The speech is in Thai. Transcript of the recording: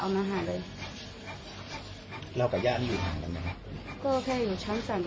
ไม่ค่อยเอาแบบคิดเลยใช่ไหมกินเผื่ออยู่ทางหน้านั้น